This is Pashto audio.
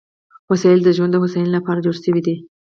وسایل د ژوند د هوساینې لپاره جوړ شوي دي.